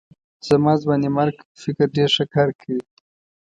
زما ځوانمېرګ فکر ډېر ښه کار کوي.